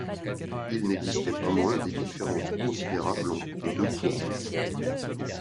Il n’existait pas moins des différences considérables entre les deux courants.